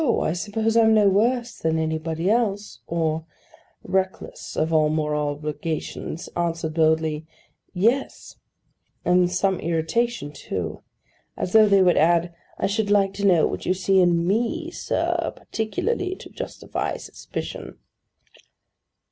I suppose I'm no worse than anybody else;' or, reckless of all moral obligations, answered boldly 'Yes:' and with some irritation too, as though they would add, 'I should like to know what you see in me, sir, particularly, to justify suspicion!